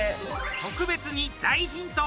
特別に大ヒント！